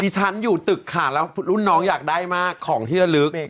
ฉันอยู่ตึกค่ะแล้วรุ่นน้องอยากได้มากของที่ระลึก